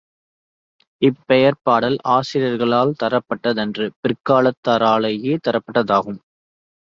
இப்பெயர் பாடல் ஆசிரியர்களால் தரப்பட்டதன்று பிற்காலத் தாராலேயே தரப்பட்டதாகும்.